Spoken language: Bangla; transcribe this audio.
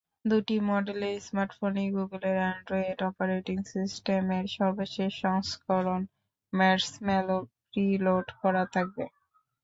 দুটি মডেলের স্মার্টফোনেই গুগলের অ্যান্ড্রয়েড অপারেটিং সিস্টেমের সর্বশেষ সংস্করণ মার্সম্যালো প্রিলোড করা থাকবে।